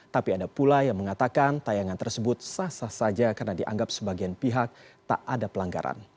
tapi ada pula yang mengatakan tayangan tersebut sah sah saja karena dianggap sebagian pihak tak ada pelanggaran